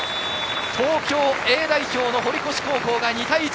東京Ａ代表の堀越高校が２対１。